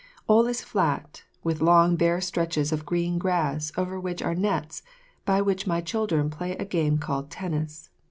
All is flat, with long bare stretches of green grass over which are nets, by which my children play a game called tennis.